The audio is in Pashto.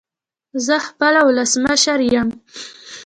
زه خپله ولسمشر يم